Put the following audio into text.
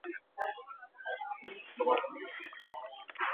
Lurrean, uretan, neskaren oinak islatzen dira.